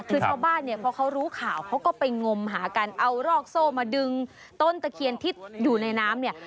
คือชาวบ้านเนี่ยพอเขารู้ข่าวเขาก็ไปงมหากันเอารอกโซ่มาดึงต้นตะเคียนที่อยู่ในน้ำเนี่ย